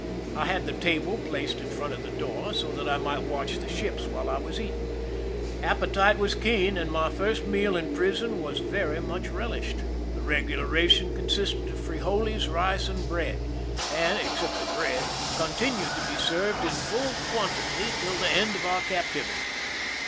I had the table placed in front of the door, so that I might watch the ships while I was eating. Appetite was keen, and my first meal in prison was very much relished. The regular ration consisted of frijoles, rice, and bread, and, except the bread, continued to be served in full quantity till the end of our captivity.